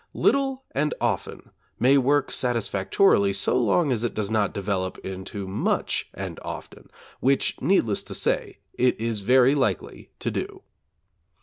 Little and often may work satisfactorily so long as it does not develop into much and often, which, needless to say, it is very likely to do.